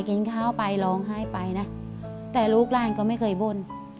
กินข้าวไปร้องไห้ไปนะแต่ลูกหลานก็ไม่เคยบ่น